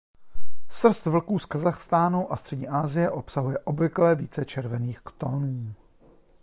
Srst vlků z Kazachstánu a střední Asie obsahuje obvykle více červených tónů.